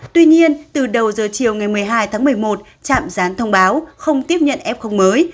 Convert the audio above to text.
tuy nhiên từ đầu giờ chiều ngày một mươi hai tháng một mươi một trạm gián thông báo không tiếp nhận f mới